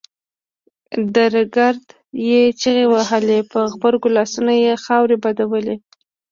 درګرده يې چيغې وهلې په غبرګو لاسونو يې خاورې بادولې.